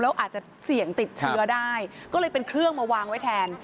แล้วอาจจะเสี่ยงติดเชื้อได้ก็เลยเป็นเครื่องมาวางไว้แทน